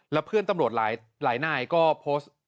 แล้วเพื่อนตำรวจหลายนายก็โพสต์